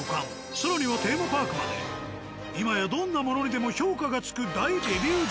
更にはテーマパークまで今やどんなものにでも評価がつく。